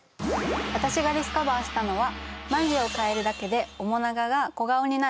私がディスカバーしたのは・眉毛？